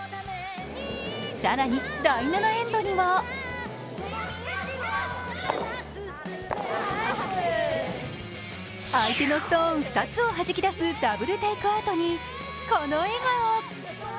更に第７エンドには相手のストーン２つをはじき出すダブルテイクアウトにこの笑顔。